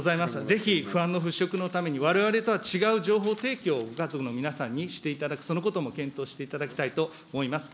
ぜひ不安の払拭のために、われわれとは違う情報提供をご家族の皆さんにしていただく、そのことも検討していただきたいと思います。